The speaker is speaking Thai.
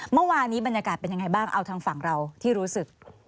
เมื่อวานนี้บรรยากาศเป็นยังไงบ้างเอาทางฝั่งเราที่รู้สึก